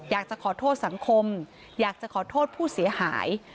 อยากจะขอโทษสังคมอยากจะขอโทษผู้เสียหาย